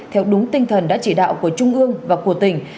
theo đúng tinh thần đã chỉ đạo của trung ương và của tỉnh